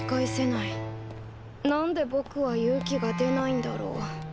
なんでぼくは勇気が出ないんだろう。